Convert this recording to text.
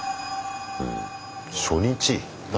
初日。